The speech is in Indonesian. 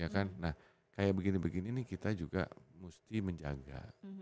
karena tuh kayak begini begini nih kita juga mesti menjaga